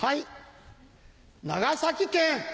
長崎県！